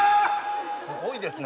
すごいですね